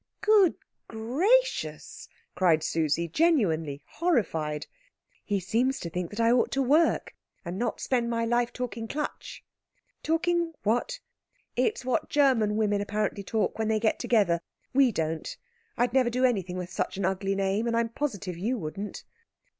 "Good gracious!" cried Susie, genuinely horrified. "He seems to think that I ought to work, and not spend my life talking Klatsch." "Talking what?" "It's what German women apparently talk when they get together. We don't. I'd never do anything with such an ugly name, and I'm positive you wouldn't."